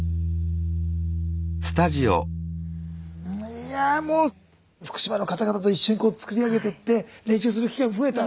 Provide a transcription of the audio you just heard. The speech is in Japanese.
いやぁもう福島の方々と一緒にこう作り上げてって練習する機会も増えた。